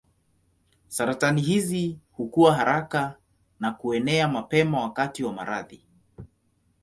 Saratani hizi hukua haraka na kuenea mapema wakati wa maradhi.